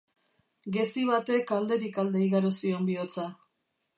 Gezi batek alderik alde igaro zion bihotza.